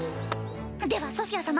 ⁉ではソフィア様